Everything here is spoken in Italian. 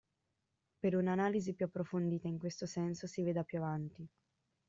Per un'analisi più approfondita in questo senso si veda più avanti.